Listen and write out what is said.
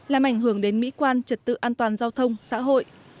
làm ảnh hưởng đến mỹ quan trật tự an toàn giao thông xã hội